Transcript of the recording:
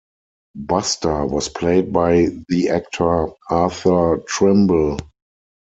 Buster was played by the actor Arthur Trimble.